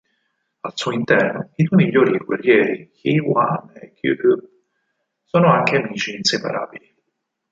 Al suo interno, i due migliori guerrieri, Ji-hwan e Gyu-yup, sono anche amici inseparabili.